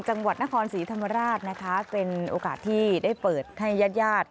จังหวัดนครศรีธรรมราชนะคะเป็นโอกาสที่ได้เปิดให้ญาติญาติ